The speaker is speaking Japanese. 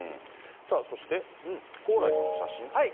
そして蓬莱さんの写真？